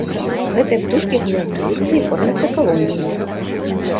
Гэтыя птушкі гняздуюцца і кормяцца калоніямі.